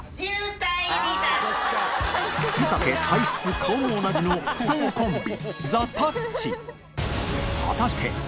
稠愍体質顔も同じの双子コンビ祺